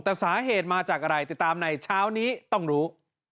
แต่สาเหตุมาจากอะไรติดตามในเช้านี้ต้องรู้